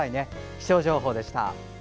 気象情報でした。